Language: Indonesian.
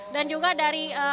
dan juga cek suhu dan pulsa